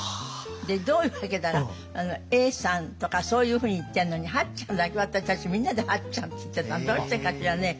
でどういうわけだか永さんとかそういうふうに言ってるのに八ちゃんだけは私たちみんなで八ちゃんって言ってたのはどうしてかしらね？